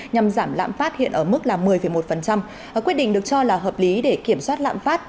nhằm giảm lãm phát hiện ở mức là một mươi một quyết định được cho là hợp lý để kiểm soát lạm phát